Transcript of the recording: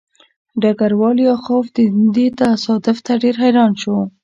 ډګروال لیاخوف دې تصادف ته ډېر حیران شو